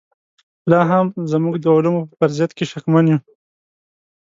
لاهم موږ د علومو په فرضیت کې شکمن یو.